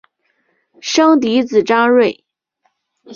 生嫡子张锐。